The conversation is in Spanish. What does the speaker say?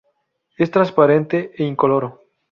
Es transparente e incoloro.